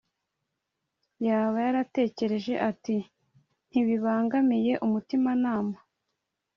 Yaba yaratekereje ati ntibibangamiye umutimanama